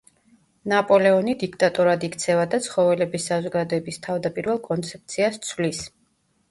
ნაპოლეონი დიქტატორად იქცევა და ცხოველების საზოგადოების თავდაპირველ კონცეფციას ცვლის.